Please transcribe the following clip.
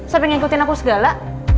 sampai ngikutin aku segala